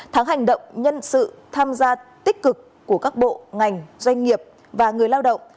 tháng hành động nhân sự tham gia tích cực của các bộ ngành doanh nghiệp và người lao động